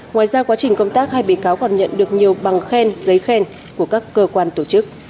ngoài ra quá trình công tác hai bị cáo còn nhận được nhiều bằng khen giấy khen của các cơ quan tổ chức